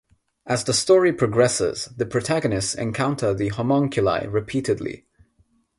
As the story progresses, the protagonists encounter the Homunculi repeatedly.